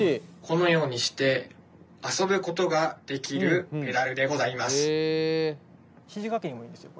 このようにして遊ぶことができるペダルでございます。